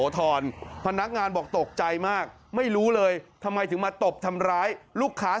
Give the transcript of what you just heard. ทุกคนก็งงว่าเออทำไมเธอจึงทำเหลือมัน